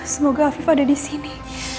semoga afifa ada di sini